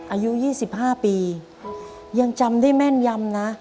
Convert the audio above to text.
อายุ๒๕ปียังจำได้แม่นยำนะ